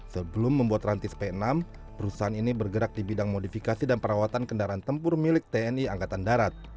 sebelum membuat rantis p enam perusahaan ini bergerak di bidang modifikasi dan perawatan kendaraan tempur milik tni angkatan darat